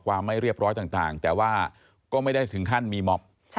ความไม่เรียบร้อยต่างแต่ว่าก็ไม่ได้ถึงขั้นมีม็อบ